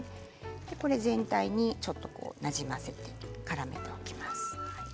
これを全体になじませてからめておきます。